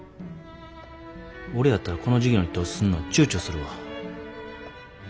俺やったらこの事業に投資すんのちゅうちょするわ。